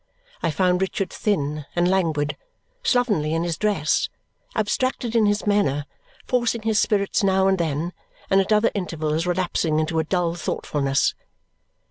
I found Richard thin and languid, slovenly in his dress, abstracted in his manner, forcing his spirits now and then, and at other intervals relapsing into a dull thoughtfulness.